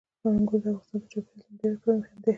انګور د افغانستان د چاپیریال د مدیریت لپاره مهم دي.